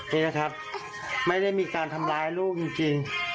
นี่นะครับไม่ได้มีการทำร้ายลูกจริง